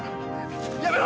やめろ！